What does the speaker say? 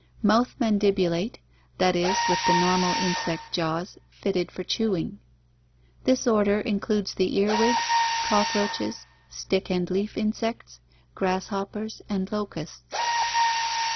Mouth mandibulate, that is, with the normal insect jaws, fitted for chewing. This order includes the earwigs, cockroaches, stick and leaf insects, grasshoppers, and locusts.